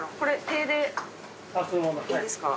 いいですか？